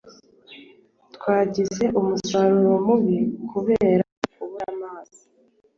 twagize umusaruro mubi kubera kubura amazi